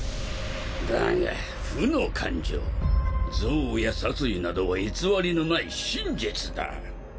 だが負の感情憎悪や殺意などは偽りのない真実だ。